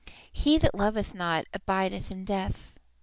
He that loveth not abideth in death."